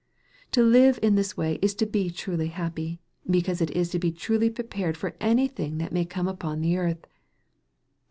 To live in this way is to be truly happy, because it is to be truly prepared for any thing that may come upon the earth.